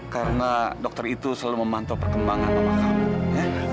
karena dokter itu selalu memantau perkembangan mama kamu